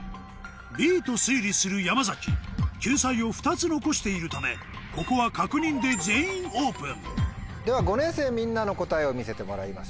Ｂと推理する山崎救済を２つ残しているためここは確認で「全員オープン」では５年生みんなの答えを見せてもらいましょう。